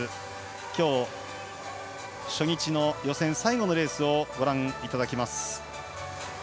今日、初日の予選最後のレースをご覧いただきます。